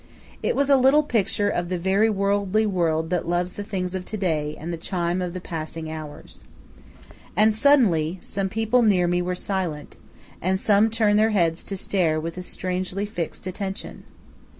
It was a little picture of the very worldly world that loves the things of to day and the chime of the passing hours. And suddenly some people near me were silent, and some turned their heads to stare with a strangely fixed attention.